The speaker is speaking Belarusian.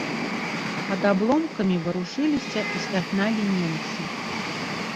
Пад абломкамі варушыліся і стагналі немцы.